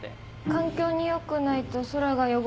環境によくないと空が汚れます。